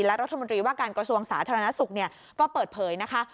และรัฐมนตรีว่าการกระทรวงสาธารณสุขก็เปิดเผยนะคะ